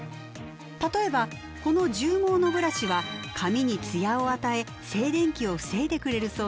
例えばこの獣毛のブラシは髪にツヤを与え静電気を防いでくれるそうです。